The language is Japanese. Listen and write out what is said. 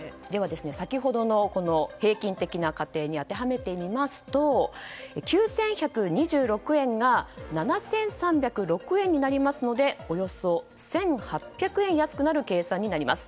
先ほどの平均的な家庭に当てはめてみますと９１２６円が７３０６円になりますのでおよそ１８００円安くなる計算になります。